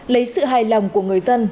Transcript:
lấy sự hài lòng của người dân